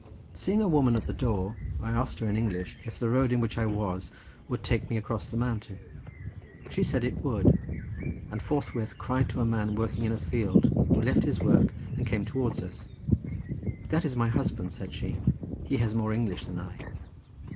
Seeing a woman at the door I asked her in English if the road in which I was would take me across the mountain. She said it would, and forthwith cried to a man working in a field, who left his work and came towards us. "That is my husband," said she; "he has more English than I."